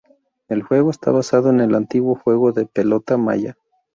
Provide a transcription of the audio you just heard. El juego está basado en el antiguo juego de pelota maya.